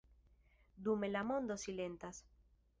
Dume la mondo silentas.